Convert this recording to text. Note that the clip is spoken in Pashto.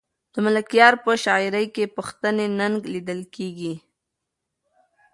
د ملکیار په شاعري کې پښتني ننګ لیدل کېږي.